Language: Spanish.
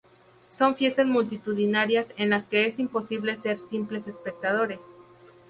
Son fiestas multitudinarias en las que es imposible ser simples espectadores.